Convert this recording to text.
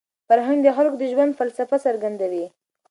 فرهنګ د خلکو د ژوند فلسفه څرګندوي.